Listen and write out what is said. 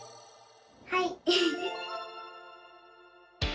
はい！